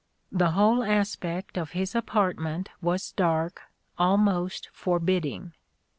The whole aspect of his apartment was dark, almost forbidding.